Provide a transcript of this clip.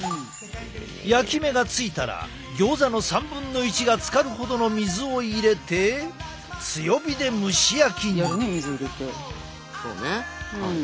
焼き目がついたらギョーザの３分の１がつかるほどの水を入れて強火で蒸し焼きに。